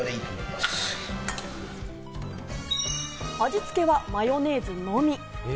味つけはマヨネーズのみ。